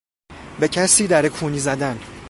به کسی در کونی زدن